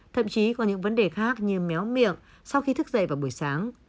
thậm chí có những vấn đề khác như méo miệng sau khi thức dậy vào buổi sáng